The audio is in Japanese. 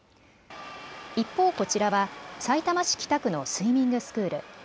一方、こちらはさいたま市北区のスイミングスクール。